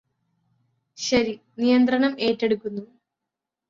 ശരി നിയന്ത്രണം ഏറ്റെടുക്കുന്നു